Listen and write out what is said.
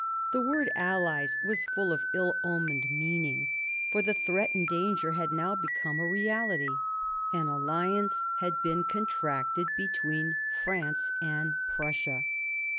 The word "allies" was full of ill omened mean ing; for the threatened danger had now become a reality; an alliance had been contracted between France and Prussia.